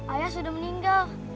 ayah sudah meninggal